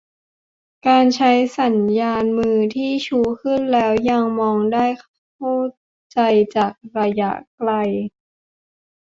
- การใช้สัญญาณมือที่ชูขึ้นแล้วยังมองได้เข้าใจจากระยะไกล